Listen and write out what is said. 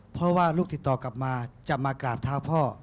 เพราะว่าลูกติดต่อกลับมาจะมากราบเท้าพ่อ